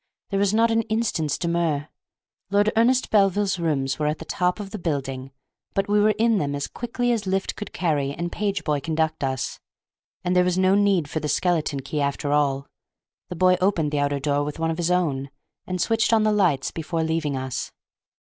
There was not an instant's demur. Lord Ernest Belville's rooms were at the top of the building, but we were in them as quickly as lift could carry and page boy conduct us. And there was no need for the skeleton key after all; the boy opened the outer door with one of his own, and switched on the lights before leaving us.